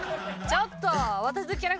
ちょっと！